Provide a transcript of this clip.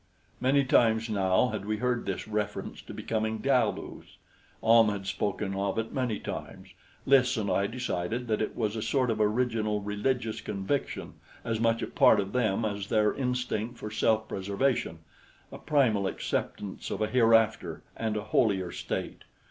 Many times now had we heard this reference to becoming Galus. Ahm had spoken of it many times. Lys and I decided that it was a sort of original religious conviction, as much a part of them as their instinct for self preservation a primal acceptance of a hereafter and a holier state.